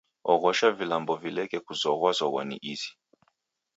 Oghosha vilambo vileke kuzoghwazoghwa ni izi.